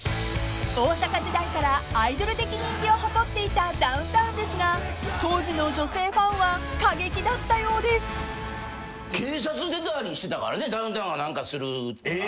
［大阪時代からアイドル的人気を誇っていたダウンタウンですが当時の女性ファンは過激だったようです］ダウンタウンが何かする。